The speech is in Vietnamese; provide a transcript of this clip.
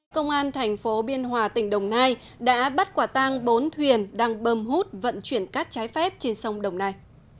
công an thành phố biên hòa tỉnh đồng nai đã bắt quả tang bốn thuyền đang bơm hút vận chuyển cát trái phép trên sông đồng nai